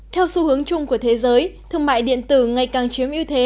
theo xu hướng chung của thế giới thương mại điện tử ngày càng chiếm ưu thế